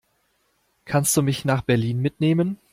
Kannst du mich nach Berlin mitnehmen?